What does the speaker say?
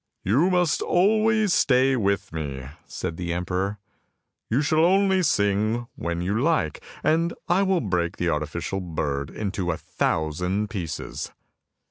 'You must always stay with me!" said the emperor. " You shall only sing when you like, and I will break the arti ficial bird into a thousand pieces!